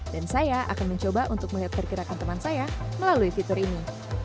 dan saya akan mencoba untuk melihat pergerakan teman saya melalui fitur ini